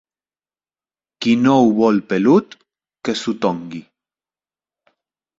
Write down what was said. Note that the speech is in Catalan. Qui no ho vol pelut, que s'ho tongui.